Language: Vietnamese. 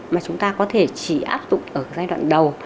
mà chúng ta có thể chỉ áp dụng ở giai đoạn đầu